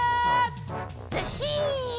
ずっしん！